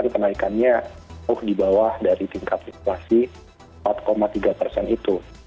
kenaikannya di bawah dari tingkat inflasi empat tiga persen itu